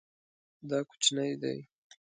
دا کوچنی دی